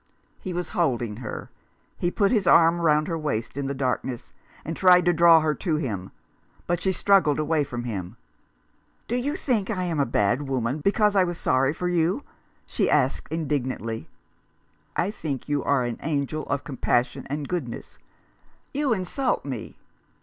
He was holding her ; he put his arm round her waist in the darkness, and tried to draw her to him, but she struggled away from him. "Do you think I am a bad woman because I was sorry for you ?" she asked indignantly. " I think you an angel of compassion and goodness." " You insult me."